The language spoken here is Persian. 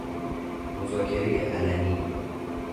مذاکره علنی